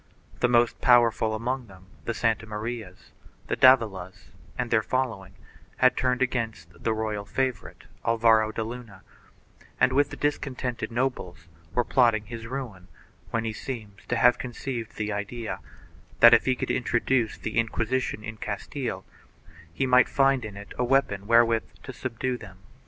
The most powerful among them — the Santa Marias, the Davilas and their following — had turned against the royal favorite Alvaro de Luna and, with the dis contented nobles, were plotting his ruin, when he seems to have conceived the idea that, if he could introduce the Inquisition in Castile, he might find in it a weapon wherewith to subdue them.